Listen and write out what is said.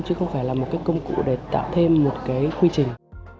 chứ không phải là một công cụ để tạo thêm một quy trình